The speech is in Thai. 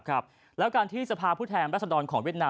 ครับแล้วการที่สภาพุทธแห่งรัฐสนรของเวียดนาม